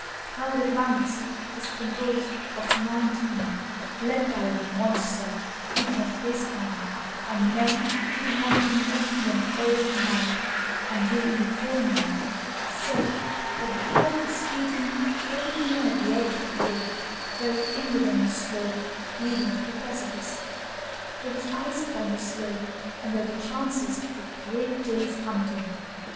The herd of mammoths was composed of nineteen, led by a monster even of his kind, and men who had been watching them all night and during the forenoon said that the herd was feeding very near the edge of the wood, where it ended on the slope leading to the precipice. There was ice upon the slope and there were chances of a great day's hunting.